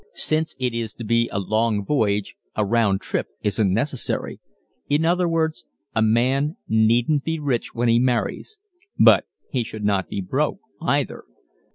Since it is to be a long voyage a "round trip" isn't necessary. In other words, a man needn't be rich when he marries but he should not be broke, either.